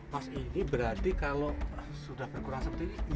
mas ini berarti kalau sudah berkurang seperti ini